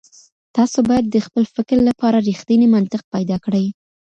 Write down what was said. تاسو بايد د خپل فکر لپاره رښتينی منطق پيدا کړئ.